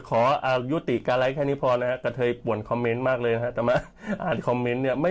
พูดเทมานะเกือบจากครึ่งคืนโชกโมงค่ะ